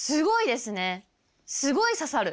すごい刺さる。